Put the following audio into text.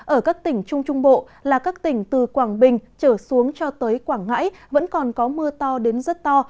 ở các tỉnh trung trung bộ là các tỉnh từ quảng bình trở xuống cho tới quảng ngãi vẫn còn có mưa to đến rất to